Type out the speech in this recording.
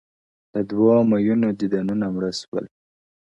د دوو مــينـــو ديــدنــونـــه مـــړه ســـــول ـ